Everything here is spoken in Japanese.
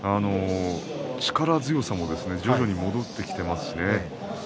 力強さも徐々に戻ってきてますしね。